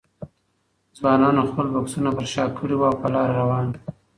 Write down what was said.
ځوانانو خپل بکسونه پر شا کړي وو او په لاره روان وو.